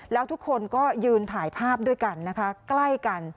แล้วทุกคนก็ยืนถ่ายภาพด้วยกันนะคะใกล้กัน